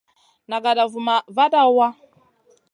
Nagada vumaʼha vada waʼa.